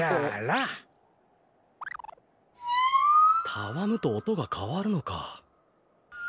たわむとおとがかわるのか！